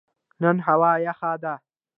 نن هوا یخه ده